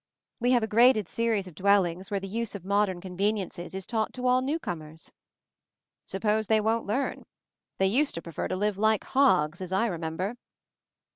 We have a graded series of dwellings where the use of modern conveniences is taught to all newcomers." "Suppose they won't learn? They used to prefer to live like hogs, as I rememher."